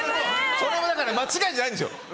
それも間違いじゃないんですよ！